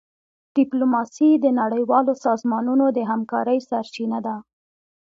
ډيپلوماسي د نړیوالو سازمانونو د همکارۍ سرچینه ده.